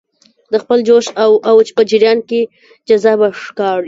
د خپل جوش او اوج په جریان کې جذابه ښکاري.